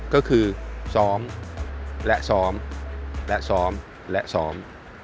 ก็คือซ้อมและซ้อมและซ้อมและซ้อม